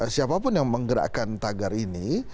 siapapun yang menggerakkan tagar ini